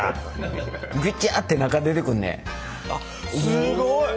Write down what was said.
すごい！